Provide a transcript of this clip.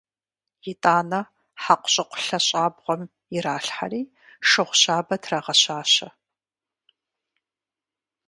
ИтӀанэ хьэкъущыкъу лъэщӀабгъуэм иралъхьэри, шыгъу щабэ трагъэщащэ.